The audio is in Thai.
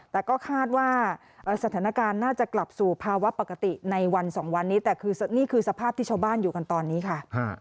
แต่ก็คาดว่าสถานการณ์น่าจะกลับสู่ภาวะปกติในวันสองวันนี้แต่คือนี่คือสภาพที่ชาวบ้านอยู่กันตอนนี้ค่ะ